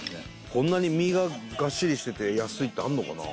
こんなに身がガッシリしてて安いってあるのかな